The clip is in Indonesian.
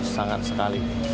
sangat luar sekali